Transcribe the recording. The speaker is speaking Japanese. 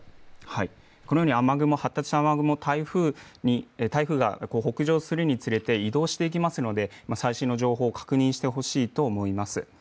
このように雨雲、発達した雨雲台風が北上するにつれて移動していきますので最新の情報を確認してほしいと思います。